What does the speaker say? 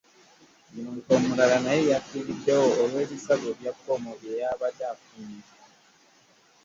Omuntu omulala naye yafuuriddewo olw'ebisago bya bbomu bye yabadde afunye